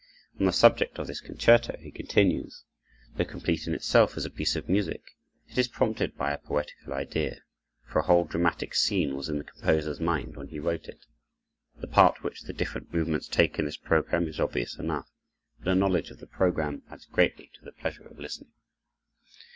On the subject of this concerto, he continues: "Though complete in itself as a piece of music, it is prompted by a poetical idea, for a whole dramatic scene was in the composer's mind when he wrote it.... The part which the different movements take in this program is obvious enough, but a knowledge of the program adds greatly to the pleasure of listening."